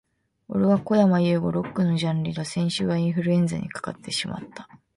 俺はこやまゆうご。Lock のジャンリだ。先週はインフルエンザにかかってしまった、、、